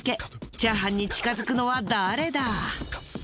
チャーハンに近づくのは誰だ？